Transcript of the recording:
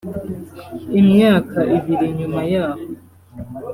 Imyaka ibiri nyuma yaho